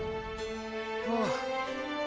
ああ。